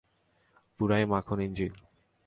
পুরাই মাখন ইঞ্জিন।